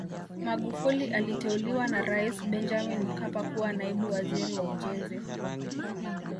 Magufuli aliteuliwa na Rais Benjamin Mkapa kuwa naibu waziri wa ujenzi